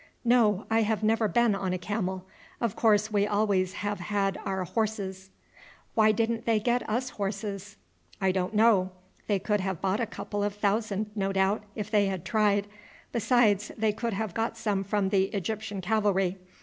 "No. I have never been on a camel. Of course we always have had our horses." "Why didn't they get us horses?" "I don't know. They could have bought a couple of thousand, no doubt, if they had tried; besides, they could have got some from the Egyptian cavalry.